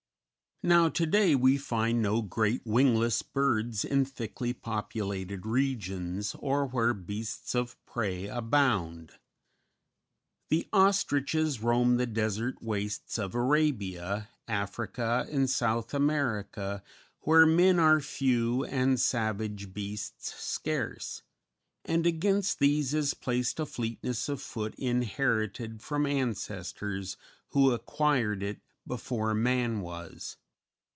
Now to day we find no great wingless birds in thickly populated regions, or where beasts of prey abound; the ostriches roam the desert wastes of Arabia, Africa and South America where men are few and savage beasts scarce, and against these is placed a fleetness of foot inherited from ancestors who acquired it before man was.